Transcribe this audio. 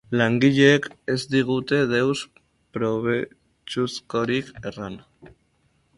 Langileek ez digute deus probetxuzkorik erran.